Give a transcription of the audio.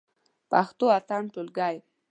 پښتو اتم ټولګی.